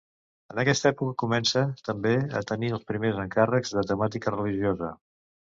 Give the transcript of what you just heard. En aquesta època comença, també, a tenir els primers encàrrecs de temàtica religiosa.